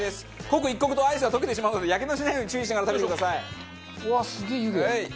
刻一刻とアイスが溶けてしまうのでやけどしないように注意しながら食べてください。